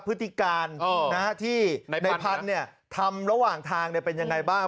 พฤติการนะฮะที่ในพันธุ์เนี้ยทำระหว่างทางเนี้ยเป็นยังไงบ้าง